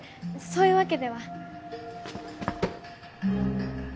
そういうわけでは。